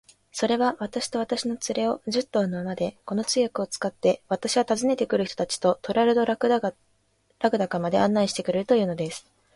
それは、私と私の連れを、十頭の馬で、この通訳を使って、私は訪ねて来る人たちとトラルドラグダカまで案内してくれるというのです。